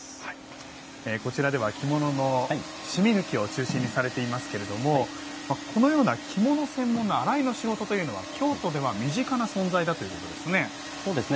こちらでは着物の染み抜きを中心にされていますけれどもこのような着物専門の「洗いの仕事」というのは京都では身近な存在だということそうですね。